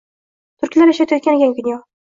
Turklar ishlayotgan ekan kino.